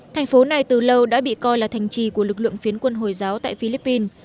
thành phố này từ lâu đã bị coi là thành trì của lực lượng phiến quân hồi giáo tại philippines